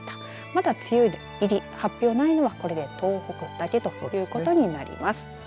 まだ梅雨入り発表ないのはこれで東北だけということになります。